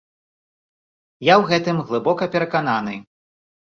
Я ў гэтым глыбока перакананы.